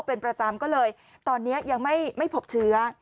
เป็นประจำก็เลยตอนนี้ยังไม่พบเชื้อ